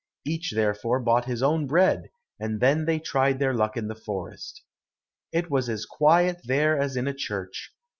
Each, therefore, bought his own bread, and then they tried their luck in the forest. It was as quiet there as in a church.